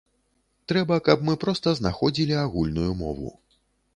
Трэба, каб мы проста знаходзілі агульную мову.